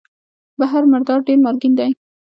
بحر مردار ډېر مالګین دی.